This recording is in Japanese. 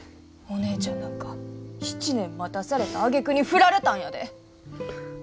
お姉ちゃんなんか７年待たされたあげくに振られたんやで！？